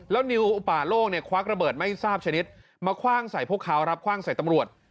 แล้วนิวป่าโล่งเนี่ยควักระเบิดไม่ทราบชนิดมาคว่างใส่พวกเขารับคว่างใส่ตำรวจ